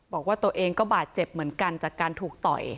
บอกว่าตัวเองก็บาดเจ็บเหมือนกันจากการถูกต่อย